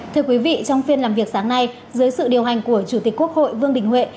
thưa quý vị trong phiên làm việc sáng nay dưới sự điều hành của chủ tịch quốc hội vương đình huệ